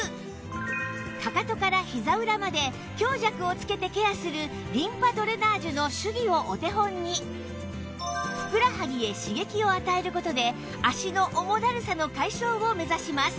かかとからひざ裏まで強弱をつけてケアするリンパドレナージュの手技をお手本にふくらはぎへ刺激を与える事で脚の重だるさの解消を目指します